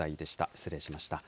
失礼しました。